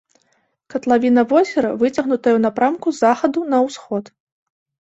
Катлавіна возера выцягнутая ў напрамку з захаду на ўсход.